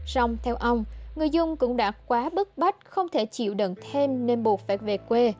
xong theo ông người dùng cũng đã quá bức bách không thể chịu đựng thêm nên buộc phải về quê